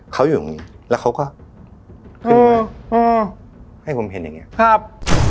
เขาอยู่ตรงนี้แล้วเขาก็ขึ้นมาอืมให้ผมเห็นอย่างเงี้ครับ